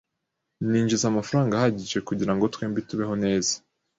Ninjiza amafaranga ahagije kugirango twembi tubeho neza.